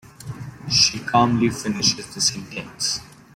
She calmly finishes the sentence.